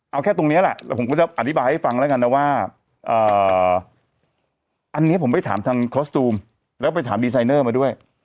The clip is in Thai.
เอาแค่ตรงนี้แหละแล้วผมก็จะอธิบายให้ฟังแล้วกันนะว่าอันนี้ผมไปถามทางคอสตูมแล้วไปถามดีไซเนอร์มาด้วย